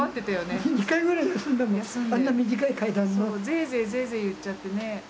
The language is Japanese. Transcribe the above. ぜいぜいぜいぜい言っちゃってね。